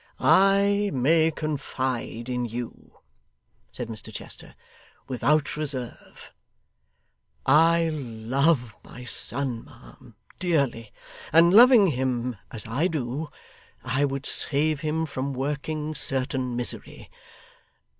'I may confide in you,' said Mr Chester, 'without reserve. I love my son, ma'am, dearly; and loving him as I do, I would save him from working certain misery.